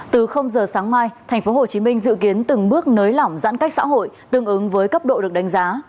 từ giờ sáng mai tp hcm dự kiến từng bước nới lỏng giãn cách xã hội tương ứng với cấp độ được đánh giá